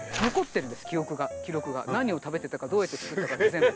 何を食べてたかどうやって作ったかって全部。